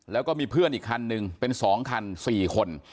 แล้วก็มีเพื่อนอีกคันนึงเป็น๒คัน๔คน